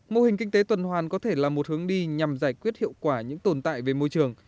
mô hình kinh tế tuần hoàn có thể là một hướng đi nhằm giải quyết hiệu quả những tồn tại về môi trường